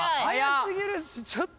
速すぎるしちょっと。